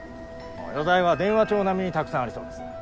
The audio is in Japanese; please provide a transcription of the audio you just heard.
余罪は電話帳並みにたくさんありそうです。